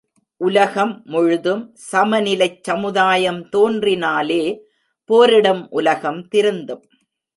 உலகம் முழுதும் சமநிலைச் சமுதாயம் தோன்றினாலே போரிடும் உலகம் திருந்தும்.